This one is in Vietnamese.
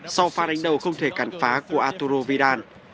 sau pha đánh đầu không thể cản phá của arturo vidal